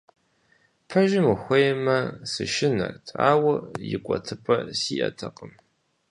Пэжым ухуеймэ, сышынэрт, ауэ икӀуэтыпӀэ сиӀэтэкъым.